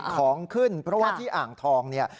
ของขึ้นเพราะว่าที่อ่างทองเนี่ย